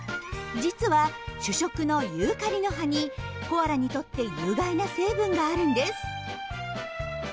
実は主食のユーカリの葉にコアラにとって有害な成分があるんです。